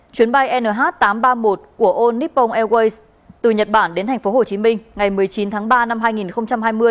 chuyến bay nh tám trăm ba mươi một của ônippon airways từ nhật bản đến tp hcm ngày một mươi chín tháng ba năm hai nghìn hai mươi